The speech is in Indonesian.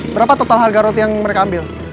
berapa total harga roti yang mereka ambil